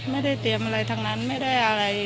ไม่ได้เตรียมอะไรทั้งนั้นไม่ได้อะไร